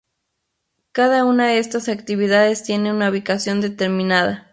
Cada una de estas actividades tiene una ubicación determinada.